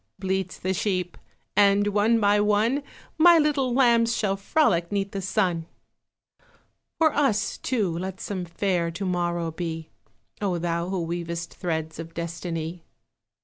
bleats the sheep, And one by one My little lambs shall frolic 'Neath the sun. For us, too, let some fair To morrow be, O Thou who weavest threads Of Destiny!